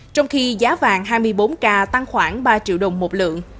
trong khi giá vàng hai mươi bốn k tăng khoảng ba triệu đồng một lượng